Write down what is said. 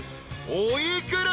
お幾ら？］